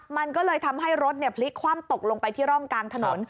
มันก็เลยทำให้รถพลิกคว่ำตกลงไปที่ร่องกลางถนน